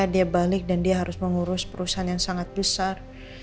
dia balik dan dia harus mengurus perusahaan yang sangat besar